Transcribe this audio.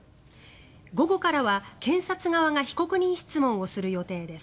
午後からは検察側が被告人質問をする予定です。